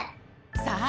さあ